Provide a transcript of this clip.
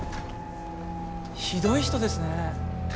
ひどい人ですねえ。